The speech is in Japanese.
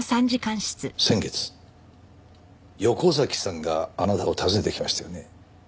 先月横崎さんがあなたを訪ねてきましたよね？